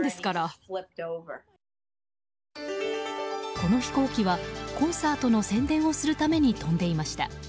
この飛行機は、コンサートの宣伝をするために飛んでいました。